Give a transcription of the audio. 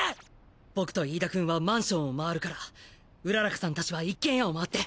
僕と飯田くんはマンションを回るから麗日さん達は一軒家を回って。